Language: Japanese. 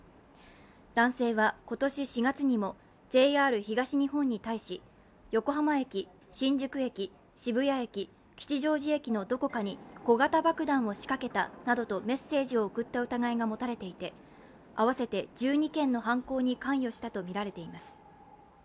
男性は今年４月にも、ＪＲ東日本に対し横浜駅、新宿駅、渋谷駅、吉祥寺駅のどこかに小型爆弾を仕掛けたなどとメッセージを送った疑いが持たれていて合わせて１２件の反攻に関与したとみられています。